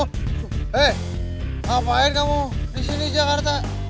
hei ngapain kamu disini jakarta